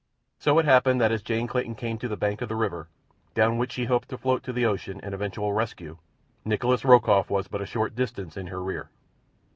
So it happened that as Jane Clayton came to the bank of the river, down which she hoped to float to the ocean and eventual rescue, Nikolas Rokoff was but a short distance in her rear.